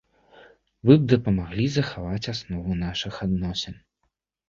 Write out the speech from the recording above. Вы б дапамаглі захаваць аснову нашых адносін.